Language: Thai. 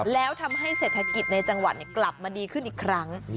แล้วทำให้เศรษฐกิจในจังหวัดกลับมาดีขึ้นอีกครั้ง